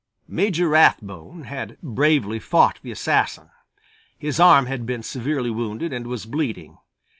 Major Rathbone had bravely fought the assassin; his arm had been severely wounded and was bleeding.